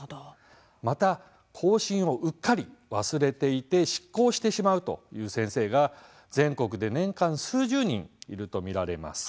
また更新をうっかり忘れていて失効してしまうという先生が全国で年間、数十人いるとみられます。